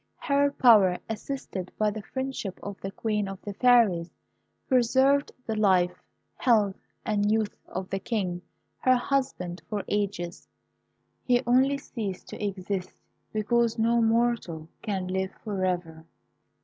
Her power, assisted by the friendship of the Queen of the Fairies, preserved the life, health, and youth of the King, her husband, for ages. He only ceased to exist because no mortal can live for ever.